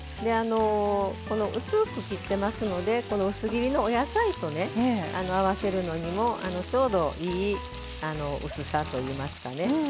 薄く切っていますので薄切りのお野菜と合わせるのにもちょうどいい薄さといいますかね。